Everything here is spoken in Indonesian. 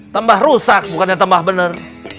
tambah rusak bukannya tambah bener